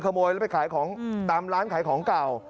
ขโมยแล้วไปขายของตามร้านขายของเก่า